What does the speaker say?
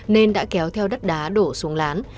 nên đã kéo theo đất đá đổ xuống lán